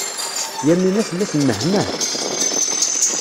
Yamina tella temmehmeh.